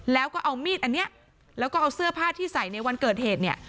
แล้วก็เอามีดอันเนี้ยแล้วก็เอาเสื้อผ้าที่ใส่ในวันเกิดเหตุเนี่ย